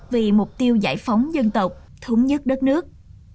vì mục tiêu giải phóng dân tộc thống nhất đất nước